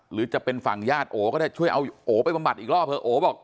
หรือจะเป็นฝั่งญาติโอก็ได้ช่วยเอาโอไปบำบัดอีกรอบเถอะโอบอก